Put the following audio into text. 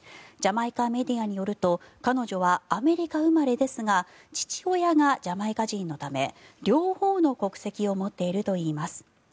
ジャマイカメディアによると彼女はアメリカ生まれですが父親がジャマイカ人のため両方の国籍を持っているといいます。